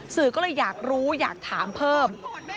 สื่อก็เลยอยากรู้อยากถามเพิ่ม